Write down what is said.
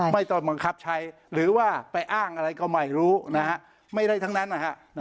ไม่ต้องบังคับใช้หรือว่าไปอ้างอะไรก็ไม่รู้ไม่ได้ทั้งนั้น